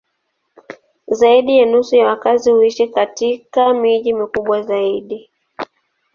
Zaidi ya nusu ya wakazi huishi katika miji mikubwa zaidi.